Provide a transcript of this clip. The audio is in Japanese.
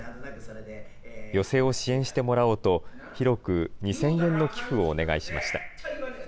寄席を支援してもらおうと、広く２０００円の寄付をお願いしました。